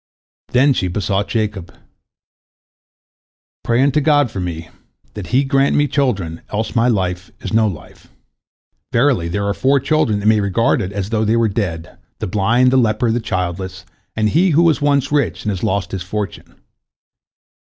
Then she besought Jacob: "Pray unto God for me, that He grant me children, else my life is no life. Verily, there are four that may be regarded as though they were dead, the blind, the leper, the childless, and he who was once rich and has lost his fortune."